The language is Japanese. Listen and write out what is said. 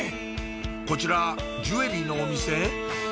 こちらジュエリーのお店？